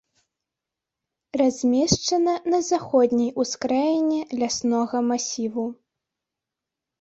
Размешчана на заходняй ускраіне ляснога масіву.